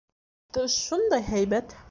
Тыш шундай һәйбәт.